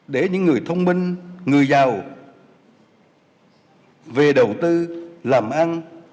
để những người thông minh người giàu về đầu tư làm ăn